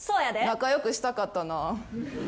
仲良くしたかったな。